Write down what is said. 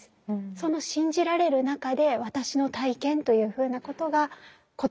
その信じられる中で私の体験というふうなことが言葉を持ち始めました。